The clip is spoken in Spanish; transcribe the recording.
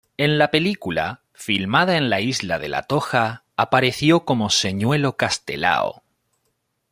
En la película, filmada en la Isla de La Toja, apareció como señuelo Castelao.